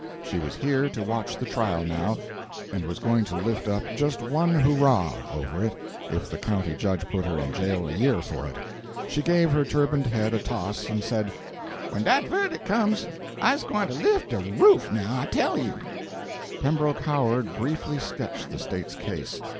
She was here to watch the trial, now, and was going to lift up just one "hooraw" over it if the County Judge put her in jail a year for it. She gave her turbaned head a toss and said, "When dat verdic' comes, I's gwine to lif' dat roof, now, I tell you." Pembroke Howard briefly sketched the State's case.